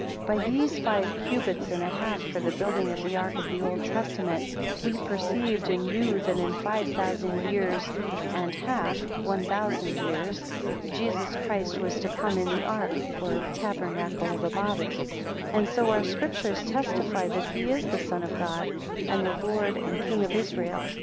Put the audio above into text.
13 By these five cubits and a half for the building of the ark of the Old Testament, we perceived and knew that in five thousand years and half (one thousand) years, Jesus Christ was to come in the ark or tabernacle of a body; 14 And so our Scriptures testify that he is the Son of God, and the Lord and King of Israel.